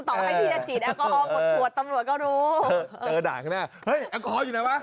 ต่อให้พี่จะฉีดแอลกอฮอล์หมดผัวต้องรำกลวจก็ดู